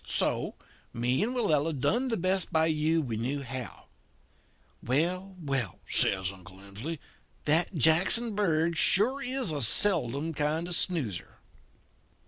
So, me and Willella done the best by you we knew how. Well, well,' says Uncle Emsley, 'that Jackson Bird is sure a seldom kind of a snoozer.'"